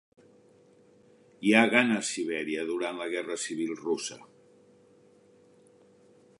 Hi ha gana a Sibèria durant la Guerra Civil Russa.